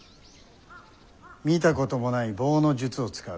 見たこともない棒の術を使う。